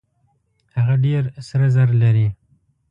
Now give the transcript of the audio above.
هغه ډېر سره زر لري.